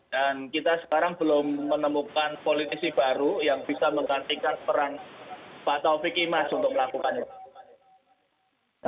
dan kita sekarang belum menemukan politisi baru yang bisa menggantikan peran pak taufik imas untuk melakukannya